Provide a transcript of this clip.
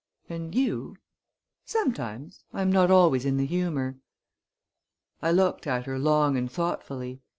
"And you?" "Sometimes. I am not always in the humor." I looked at her long and thoughtfully.